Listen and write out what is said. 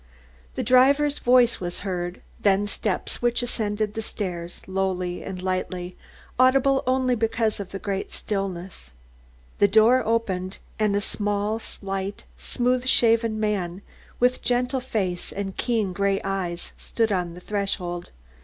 The driver's voice was heard, then steps which ascended the stairs lowly and lightly, audible only because the stillness was so great. The door opened and a small, slight, smooth shaven man with a gentle face and keen grey eyes stood on the threshold.